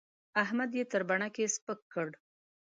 احمد يې تر بڼکې سپک کړ.